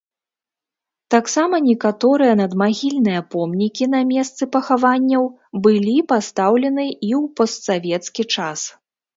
Таксама, некаторыя надмагільныя помнікі на месцы пахаванняў былі пастаўлены і ў постсавецкі час.